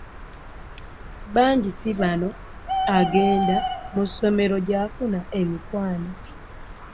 Bangisibanno agenda mu ssomero gy’afuna emikwano.